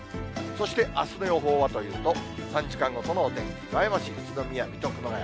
そして、あすの予報はというと、３時間ごとのお天気、前橋、宇都宮、水戸、熊谷。